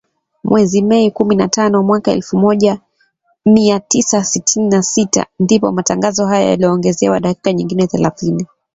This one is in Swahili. Mwezi Mei kumi na tano, mwaka elfu moja mia tisa sitini na sita , ndipo matangazo hayo yaliongezewa dakika nyingine thelathini